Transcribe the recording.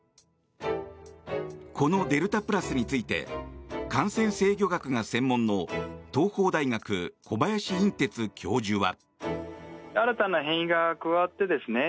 このデルタプラスについて感染制御学が専門の東邦大学の小林寅てつ教授は。